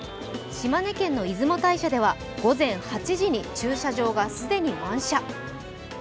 島根県の出雲大社では午前８時に駐車場が既に満車。